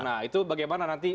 nah itu bagaimana nanti